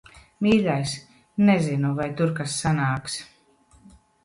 Mīļais, nezinu, vai tur kas sanāks.